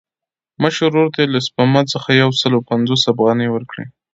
مشر ورور ته یې له سپما څخه یو سل پنځوس افغانۍ ورکړې.